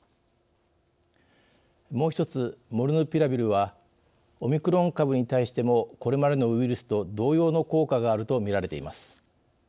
もう一つモルヌピラビルはオミクロン株に対してもこれまでのウイルスと同様の効果があるとみられています。